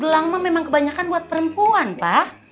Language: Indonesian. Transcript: gelang mah memang kebanyakan buat perempuan pak